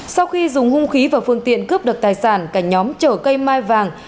sau khi dùng hung khí và phương tiện cướp được tài sản cả nhóm chở cây mai vàng